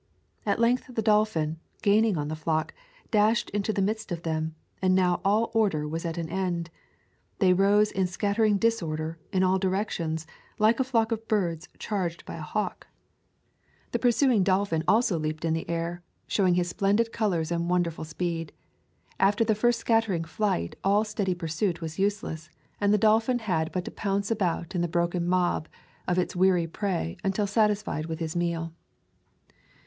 At length the dolphin, gaining on the flock, dashed into the midst of them, and now all or der was at an end. They rose in scattering dis order, in all directions, like a flock of birds charged by a hawk. The pursuing dolphin also [ 181 ] A Thousand Mile Walk leaped into the air, showing his splendid colors and wonderful speed. After the first scattering flight all steady pursuit was useless, and the dolphin had but to pounce about in the broken mob of its weary prey until satisfied with his meal.